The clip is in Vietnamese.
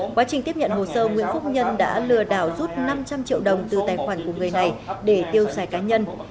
quá trình tiếp nhận hồ sơ nguyễn phúc nhân đã lừa đảo rút năm trăm linh triệu đồng từ tài khoản của người này để tiêu xài cá nhân